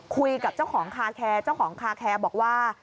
คุยกับเจ้าของคาแคร์เจ้าของคาแคร์บอกว่า